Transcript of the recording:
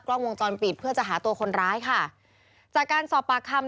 กล้องวงจรปิดเพื่อจะหาตัวคนร้ายค่ะจากการสอบปากคำ